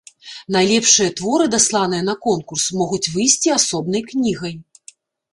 Найлепшыя творы, дасланыя на конкурс, могуць выйсці асобнай кнігай.